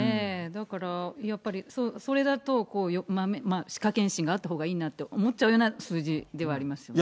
だからやっぱりそれだと、歯科健診があったほうがいいなって思っちゃうような数字ではありますよね。